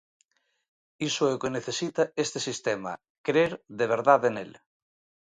Iso é o que necesita este sistema: crer de verdade nel.